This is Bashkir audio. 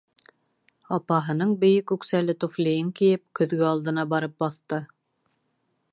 Апаһының бейек үксәле туфлийын кейеп, көҙгө алдына барып баҫты.